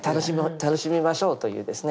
楽しみましょうというですね